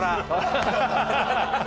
ハハハハ！